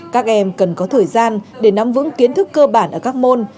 các em cần có thời gian để nắm vững kiến thức cơ bản ở các môn